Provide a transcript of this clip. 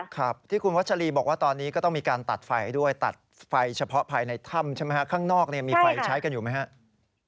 ครับที่คุณวัชรีบอกว่าตอนนี้ก็ต้องมีการตัดไฟด้วยตัดไฟเฉพาะภายในถ้ำใช่ไหมฮะข้างนอกมีไฟใช้กันอยู่ไหมครับ